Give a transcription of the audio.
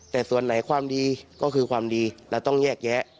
แต่ส่วนไหนความดีก็คือความดีเราต้องแยกแยะ